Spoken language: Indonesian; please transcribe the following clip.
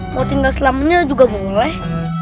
mau tinggal selamanya juga boleh